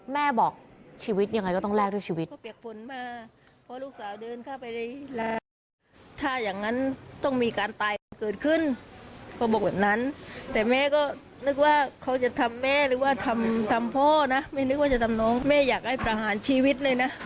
แม่บอกชีวิตอย่างไรก็ต้องแลกด้วยชีวิต